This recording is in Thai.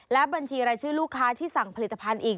และบัญชีรายชื่อลูกค้าที่สั่งผลิตภัณฑ์อีก